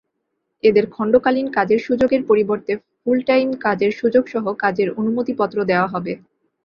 এঁদের খণ্ডকালীন কাজের সুযোগের পরিবর্তে ফুলটাইম কাজের সুযোগসহ কাজের অনুমতিপত্র দেওয়া হবে।